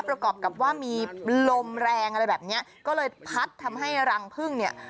ประกอบกับว่ามีลมแรงอะไรแบบเนี้ยก็เลยพัดทำให้รังพึ่งเนี่ย